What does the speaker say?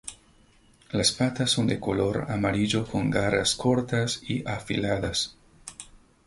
Las patas son de color amarillo con garras cortas y afiladas.